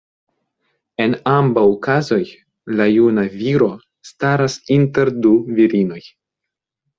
En ambaŭ kazoj la juna "viro" staras inter du virinoj.